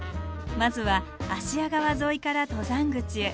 まずは芦屋川沿いから登山口へ。